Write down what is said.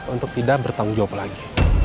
untuk tidak bertanggung jawab lagi